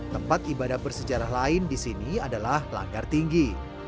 tempat ibadah bersejarah lain di sini adalah langgar tinggi